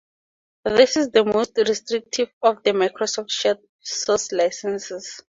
This is the most restrictive of the Microsoft Shared Source licenses.